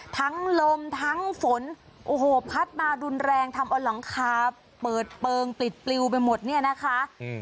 ทั้งลมทั้งฝนโอ้โหพัดมารุนแรงทำเอาหลังคาเปิดเปลืองปลิดปลิวไปหมดเนี่ยนะคะ